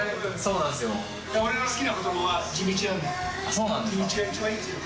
そうなんですか？